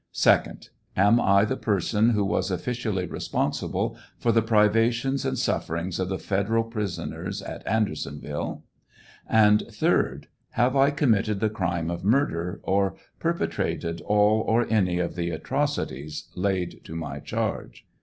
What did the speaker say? . 2d. Am I the person who was officially responsible for the privations and suf ferings of the federal prisoners at Andersonville 1 and — 3d. Have I committed the crime of murder or perpetrated all or any of thi atrocities laid to my chaige